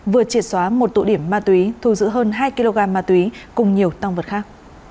vừa triệt xóa một tụ điểm ma túy thu giữ hơn hai kg ma túy cùng nhiều tăng vật khác